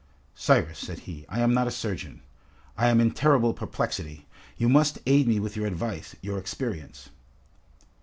"Cyrus," said he, "I am not a surgeon. I am in terrible perplexity. You must aid me with your advice, your experience!"